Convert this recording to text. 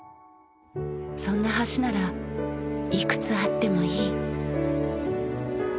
そんな橋ならいくつあってもいい。